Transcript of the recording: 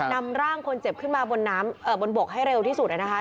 นำร่างคนเจ็บขึ้นมาบนบกให้เร็วที่สุดนะครับ